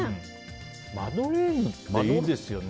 マドレーヌっていいですよね。